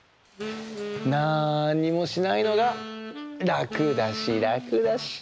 なんにもしないのがらくだしらくだし。